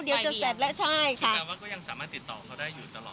เดี๋ยวจะเสร็จแล้วใช่ค่ะแต่ว่าก็ยังสามารถติดต่อเขาได้อยู่ตลอด